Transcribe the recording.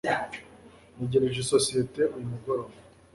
ntegereje isosiyete uyu mugoroba